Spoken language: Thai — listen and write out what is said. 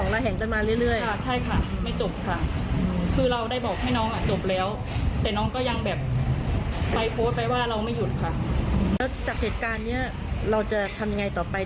แล้วจากเหตุการณ์นี้เราจะทำยังไงต่อไป